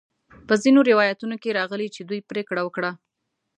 په ځینو روایتونو کې راغلي چې دوی پریکړه وکړه.